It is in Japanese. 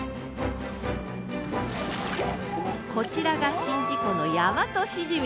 こちらが宍道湖のヤマトシジミ。